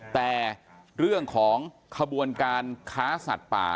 แต่เรื่องของขบวนการค้าสัตว์ป่า